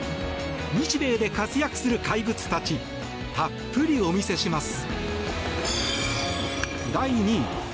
日米で活躍する怪物たちたっぷりお見せします。